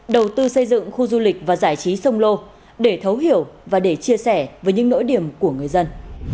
đầu tư xây dựng khu du lịch và giải trí sông lô để thấu hiểu và để chia sẻ với những nỗi điểm của người dân